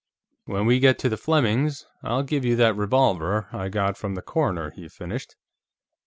"When we get to the Flemings', I'll give you that revolver I got from the coroner," he finished.